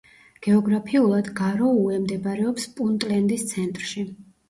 გეოგრაფიულად გაროუე მდებარეობს პუნტლენდის ცენტრში.